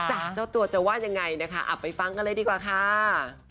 เจ้าตัวจะว่ายังไงนะคะไปฟังกันเลยดีกว่าค่ะ